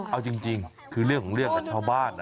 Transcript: เอาจริงคือเรื่องของเรื่องกับชาวบ้าน